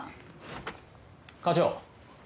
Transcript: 課長。